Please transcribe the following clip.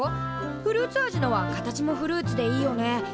フルーツ味のは形もフルーツでいいよね。